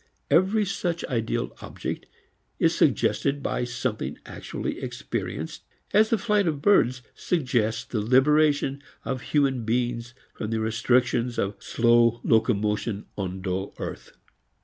Every such idealized object is suggested by something actually experienced, as the flight of birds suggests the liberation of human beings from the restrictions of slow locomotion on dull earth.